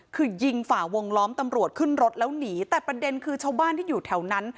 คือยิงฝ่าวงล้อมตำรวจขึ้นรถแล้วหนีแต่ประเด็นคือชาวบ้านที่อยู่แถวนั้น